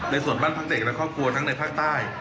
ส่วนบ้านพักเด็กและครอบครัวทั้งในภาคใต้